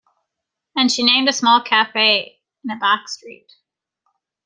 And she named a small cafe in a back street.